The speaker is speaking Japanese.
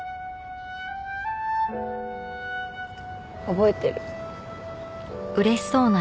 覚えてる。